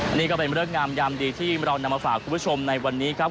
นี่ก็เป็นเรื่องงามยามดีที่เรานำมาฝากคุณผู้ชมในวันนี้ครับ